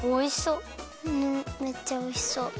うんめっちゃおいしそう。